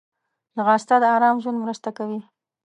ځغاسته د آرام ژوند مرسته کوي